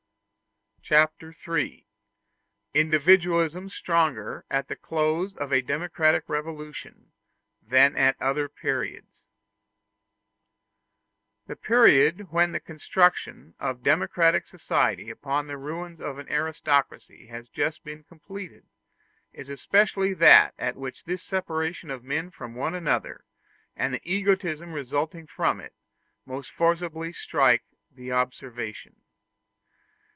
Chapter III: Individualism Stronger At The Close Of A Democratic Revolution Than At Other Periods The period when the construction of democratic society upon the ruins of an aristocracy has just been completed, is especially that at which this separation of men from one another, and the egotism resulting from it, most forcibly strike the observation.